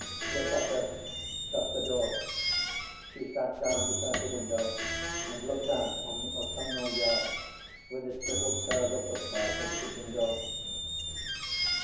Rebecca shut the door. She sat down beside the window and looked out on the autumnal yard, with its little curve of footpath to the kitchen door.